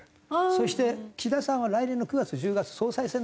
そして岸田さんは来年の９月１０月総裁選なんです。